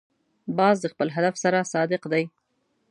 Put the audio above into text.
باز د خپل هدف سره صادق دی